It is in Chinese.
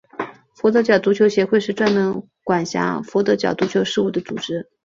佛得角足球协会是专门管辖佛得角足球事务的组织。